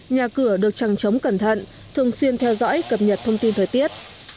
nhà cửa được trăng trống cẩn thận thường xuyên theo dõi cập nhật thông tin thời tiết